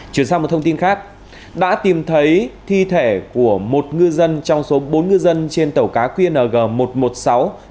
chuyển sang một thông tin khác đã tìm thấy thi thể của một ngư dân trong số bốn ngư dân trên tàu cá qng một trăm một mươi sáu tám mươi bốn ts